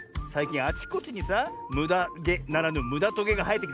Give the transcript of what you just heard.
あちこちにさむだげならぬむだトゲがはえてきてさ